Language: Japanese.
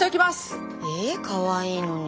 えかわいいのに。